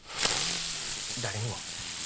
誰にも。